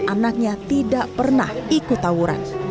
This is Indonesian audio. anaknya tidak pernah ikut tawuran